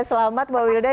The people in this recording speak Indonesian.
selamat mbak wilda